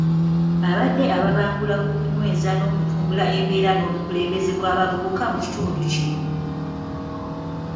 Abadde ababangula ku kunyweza n'okutumbula embeera n'obukulembeze bw'abavubuka mu kitundu kino.